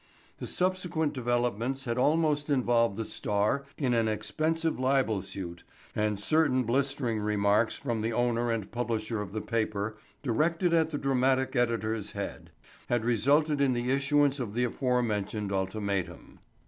The subsequent developments had almost involved the Star in an expensive libel suit and certain blistering remarks from the owner and publisher of the paper, directed at the dramatic editor's head, had resulted in the issuance of the aforementioned ultimatum.